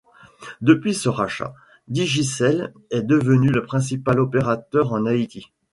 Depuis ce rachat, Digicel est devenue le principal opérateur en Haïti.